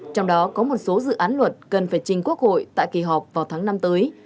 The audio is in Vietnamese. trong đó có một số dự án luật cần phải trình quốc hội tại kỳ họp vào tháng năm tới